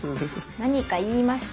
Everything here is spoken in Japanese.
何か言いました？